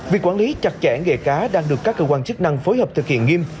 việc quản lý chặt chẽ nghề cá đang được các cơ quan chức năng phối hợp thực hiện nghiêm